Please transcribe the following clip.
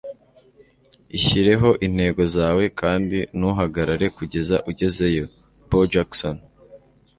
ishyirireho intego zawe, kandi ntuhagarare kugeza ugezeyo. - bo jackson